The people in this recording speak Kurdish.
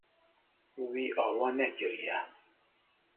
Wî ava nekiriye.